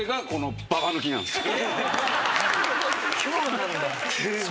今日なんだ。